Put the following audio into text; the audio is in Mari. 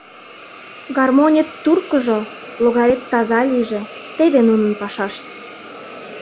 Гармонет туркыжо, логарет таза лийже — теве нунын пашашт.